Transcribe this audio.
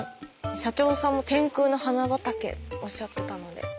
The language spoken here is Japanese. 社長さんも「天空の花畑」おっしゃってたので。